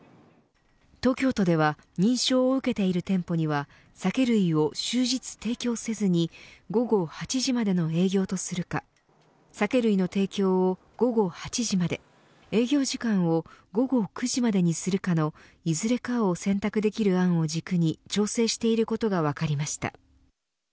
東京都では認証を受けている店舗には酒類を終日提供せずに午後８時までの営業とするか酒類の提供を午後８時まで営業時間を午後９時までにするかのいずれかを選択できる案を軸に調整していることが分かりました。